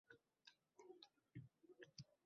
Suvning yarmiga ham bormay iviy boshlabdi